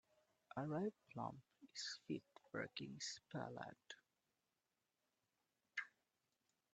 A ripe plum is fit for a king's palate.